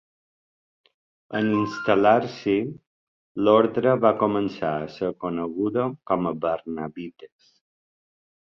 En instal·lar-s'hi, l'orde va començar a ser coneguda com a barnabites.